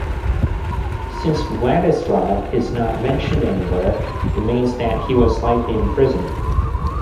Since Vladislav is not mentioned anywhere, it means that he was likely imprisoned.